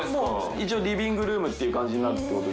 一応リビングルームっていう感じになるってこと。